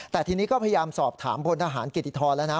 แต่ทีนี้ก็พยายามสอบถามพลทหารกิติธรแล้วนะ